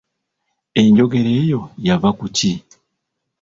Enjogera eyo yava ku ki ?